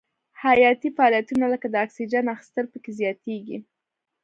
حیاتي فعالیتونه لکه د اکسیجن اخیستل پکې زیاتیږي.